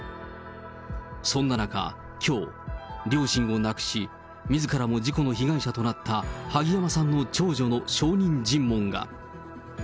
そんな中、きょう、両親を亡くし、みずからも事故の被害者となった、萩山さんの長女の証人尋問が。